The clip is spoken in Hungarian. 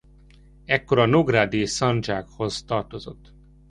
Ekkor a nógrádi szandzsákhoz tartozott.